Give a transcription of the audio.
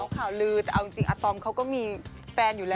ข่าวลือแต่เอาจริงอาตอมเขาก็มีแฟนอยู่แล้ว